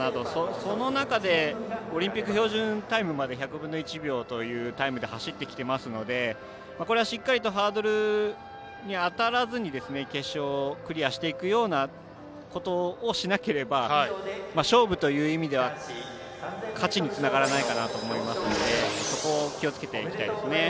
その中でオリンピック標準タイムまで１００分の１秒というところでタイムで走ってきてますのでこれはしっかりとハードルに当たらずに決勝をクリアしていくようなことをしなければ勝負という意味では勝ちにつながらないと思いますのでそこを気をつけていきたいですね。